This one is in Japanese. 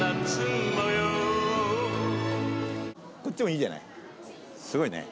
こっちもいいじゃない。